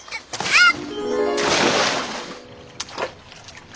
あっ。